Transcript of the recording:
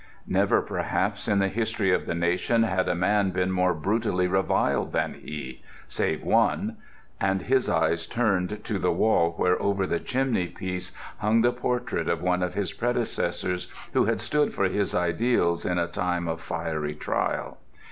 Never, perhaps, in the history of the nation had a man been more brutally reviled than he—save one! And his eyes turned to the wall where, over the chimney piece, hung the portrait of one of his predecessors who had stood for his ideals in a time of fiery trial.